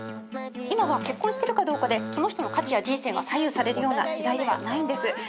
今は結婚してるかどうかでその人の価値や人生が左右されるような時代ではないんです。